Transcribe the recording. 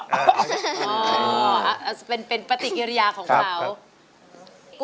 อ๋อเหมือนเป็นปะติกิริยาของเขาเคี่ยครับ